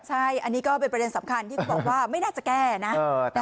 ใช่อันนี้ก็เป็นประเด็นสำคัญที่เขาบอกว่าไม่น่าจะแก้นะ